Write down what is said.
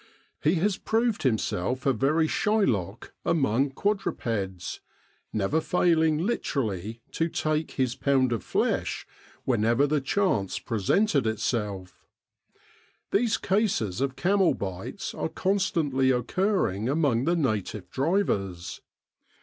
He has proved himself a very Shylock among quadrupeds, never failing literally to take his pound of flesh whenever the chance presented itself. These cases of camel bites are con stantly occurring among the native drivers.